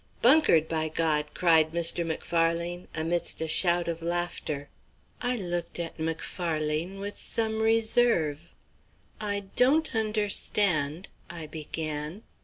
"Bunkered, by God!" cried Mr. Macfarlane, amidst a shout of laughter. I looked at Macfarlane with some reserve. "I don't understand," I began.